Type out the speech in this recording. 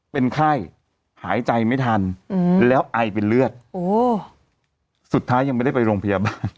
เป็นไข้หายใจไม่ทันแล้วไอเป็นเลือดสุดท้ายยังไม่ได้ไปโรงพยาบาล